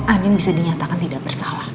andin bisa dinyatakan tidak bersalah